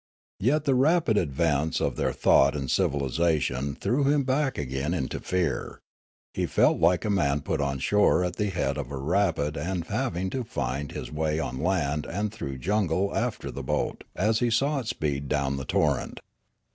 Yet the rapid advance of their thought and civilisation threw him back again into fear ; he felt like a man put on shore at the head of a rapid and having to find his way on land and through jungle after the boat, as he saw it speed down the torrent.